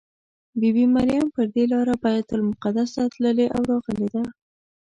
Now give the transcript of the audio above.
بي بي مریم پر دې لاره بیت المقدس ته تللې او راغلې ده.